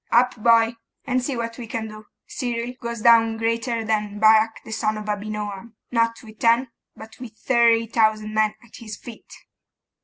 'Up, boy! and see what we can do. Cyril goes down greater than Barak the son of Abinoam, not with ten, but with thirty thousand men at his feet!